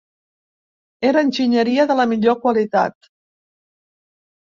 Era enginyeria de la millor qualitat.